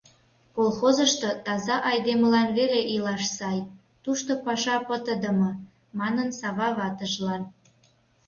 — Колхозышто таза айдемылан веле илаш сай, тушто паша пытыдыме, — манын Сава ватыжлан.